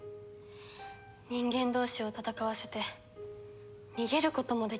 人間同士を戦わせて逃げることもできないなんて。